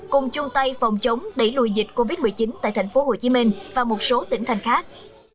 cùng chung tay phòng chống đẩy lùi dịch covid một mươi chín tại tp hcm và một số tỉnh thành khác